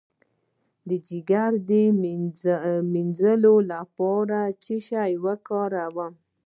د ځیګر د مینځلو لپاره باید څه شی وکاروم؟